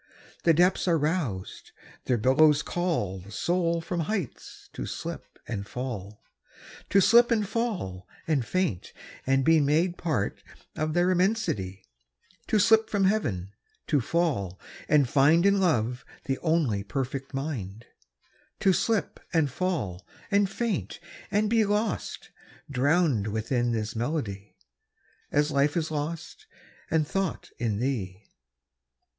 The depths are roused: their billows callThe soul from heights to slip and fall; To slip and fall and faint and beMade part of their immensity; To slip from Heaven; to fall and findIn love the only perfect mind; To slip and fall and faint and beLost, drowned within this melody, As life is lost and thought in thee.